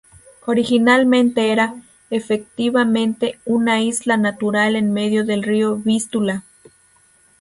Originalmente era, efectivamente, una isla natural en medio del río Vístula.